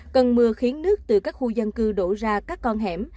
cơn mưa khiến nước từ các khu dân cư đổ ra các con hẻm